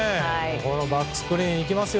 これバックスクリーンいきますよ。